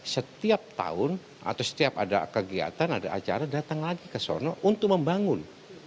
setiap tahun atau setiap ada kegiatan ada acara datang lagi ke sana untuk membangun